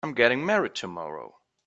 I'm getting married tomorrow.